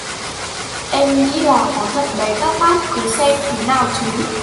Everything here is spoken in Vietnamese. Em nghĩ là có thật đấy các bác cứ xem thế nào chứ